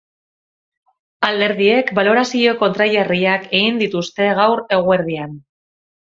Alderdiek balorazio kontrajarriak egin dituzte gaur eguerdian.